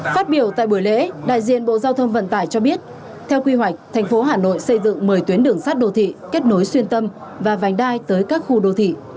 phát biểu tại buổi lễ đại diện bộ giao thông vận tải cho biết theo quy hoạch thành phố hà nội xây dựng một mươi tuyến đường sắt đô thị kết nối xuyên tâm và vành đai tới các khu đô thị